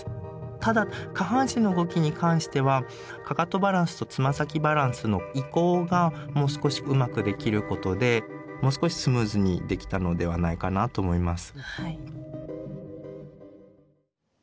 ただ下半身の動きに関してはかかとバランスと爪先バランスの移行がもう少しうまくできることでもう少しスムーズにできたのではないかなと思います。